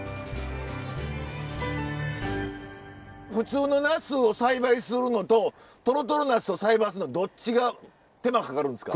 普通のナスを栽培するのととろとろナスを栽培するのどっちが手間かかるんですか？